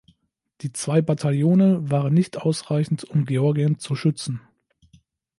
Die zwei Bataillone waren nicht ausreichend, um Georgien zu schützen.